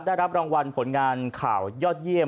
ได้รับรางวัลผลงานข่าวยอดเยี่ยม